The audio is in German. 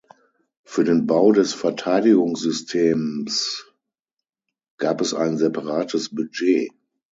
Für den Bau des Verteidigungssystems gab es ein separates Budget.